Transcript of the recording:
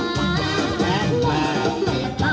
มันรอแต่เสียอยู่ใจ